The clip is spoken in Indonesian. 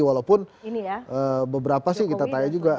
walaupun beberapa sih kita tanya juga